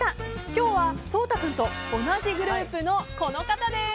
今日は颯太君と同じグループのこの方です。